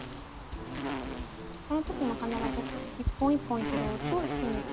この時も必ず一本一本拾うと引き抜きやすいです。